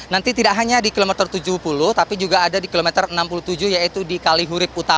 nanti tidak hanya di kilometer tujuh puluh tapi juga ada di kilometer enam puluh tujuh yaitu di kalihurib utama